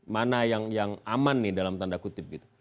mana yang aman nih dalam tanda kutip gitu